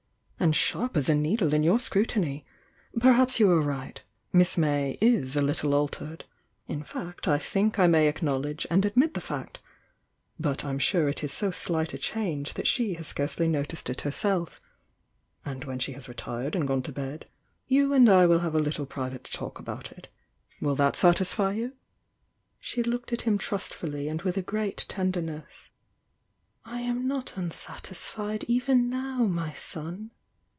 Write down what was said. And sharp as a needle in vour scrutiny! Perhaps you are right!— Miss May is a, Uttle altered. In fact I think I may acknowledge and admiT'Se It I m sure it is t slight a change that she ui __.".••'' >""B"v c» Miiauf^v uiuii Bne has scarcely noticed it ht. self. And when she has retired and gone to bed, you and I will have a Uttle private talk about it. Will that satisfy you?" She looked . him trustfully and with a great tenderness. "^ "I am not unsatisfied even now, my son!"